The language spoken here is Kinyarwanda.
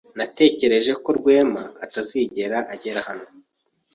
Natekereje ko Rwema atazigera agera hano.